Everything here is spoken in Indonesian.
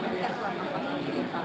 saya mau dipegang